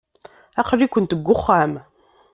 Aql-ikent deg uxxam.